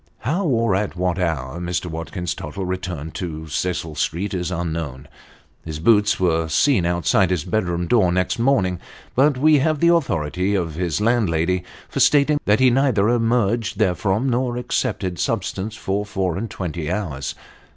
How, or at what hour, Mr. Watkins Tottle returned to Cecil Street is unknown. His boots were seen outside his bedroom door next morning ; but we have the authority of his landlady for stating that he neither emerged therefrom nor accepted sustenance for four and twenty hours.